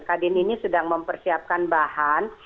kadin ini sedang mempersiapkan bahan